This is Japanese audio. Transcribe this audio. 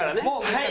はい。